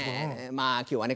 まあ今日はね